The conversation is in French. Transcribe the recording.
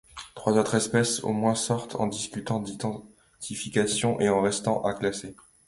Trois autres espèces au moins sont en discussion d'identification et restent à classer.